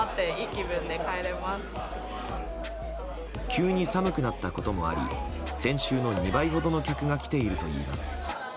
急に寒くなったこともあり先週の２倍ほどの客が来ているといいます。